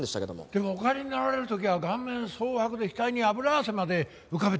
でもお帰りになられる時は顔面蒼白で額に脂汗まで浮かべておりましたが。